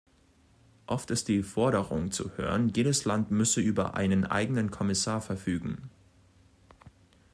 Oft ist die Forderung zu hören, jedes Land müsse über einen eigenen Kommissar verfügen.